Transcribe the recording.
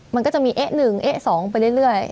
มันก็จะมีเอ๊ะ๑เอ๊ะ๒ไปเรื่อย